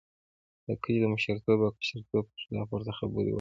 د کلي د مشرتوب او کشرتوب پر خلاف ورته خبرې وکړې.